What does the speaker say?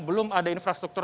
belum ada infrastruktur